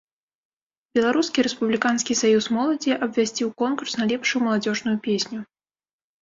Беларускі рэспубліканскі саюз моладзі абвясціў конкурс на лепшую маладзёжную песню.